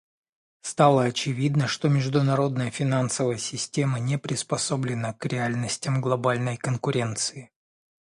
Стало очевидно, что международная финансовая система не приспособлена к реальностям глобальной конкуренции.